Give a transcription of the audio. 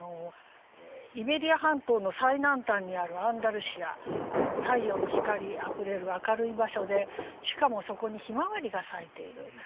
イベリア半島の最南端にあるアンダルシア太陽の光あふれる明るい場所でしかもそこにひまわりが咲いている。